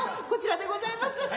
こちらでございます。